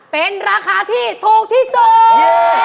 เป็นราคาที่ถูกที่สุด